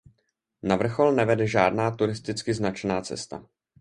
Na vrchol nevede žádná turisticky značená cesta.